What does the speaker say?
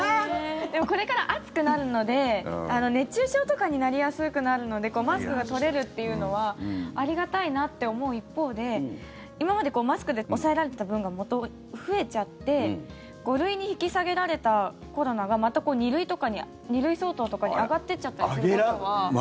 でもこれから暑くなるので熱中症とかになりやすくなるのでマスクが取れるっていうのはありがたいなって思う一方で今までマスクで抑えられてた分が増えちゃって５類に引き下げられたコロナがまた２類相当とかに上がってっちゃったりすることはあるんですか？